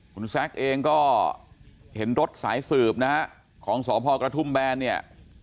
คุณแซคเองก็เห็นรถสายสืบนะฮะของสพกระทุ่มแบนเนี่ย